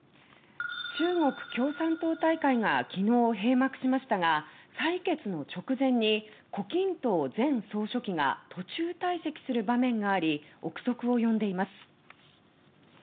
中国共産党大会が昨日、閉幕しましたが採決の直前に胡錦涛前総書記が途中退席する場面があり憶測を呼んでいます。